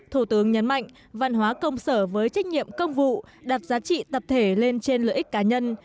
thủ tướng nhấn mạnh văn hóa công sở với trách nhiệm công vụ đặt giá trị tập thể lên trên lợi ích cá nhân